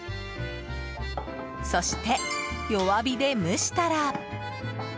そして、弱火で蒸したら。